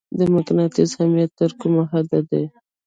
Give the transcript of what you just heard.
د مقناطیس اهمیت تر کومه حده دی؟